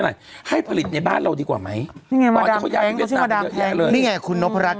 ให้ให้ผลิตในบ้านเราดีกว่าไหมต่อไปอายุที่ดำแขะเลยไงคุณนพรรดิ